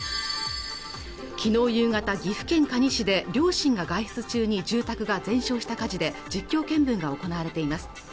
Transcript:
昨日夕方岐阜県可児市で両親が外出中に住宅が全焼した火事で実況見分が行われています